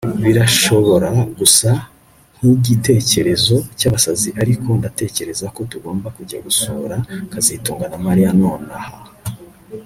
Birashobora gusa nkigitekerezo cyabasazi ariko ndatekereza ko tugomba kujya gusura kazitunga na Mariya nonaha